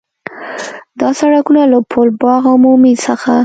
دا سړکونه له پُل باغ عمومي څخه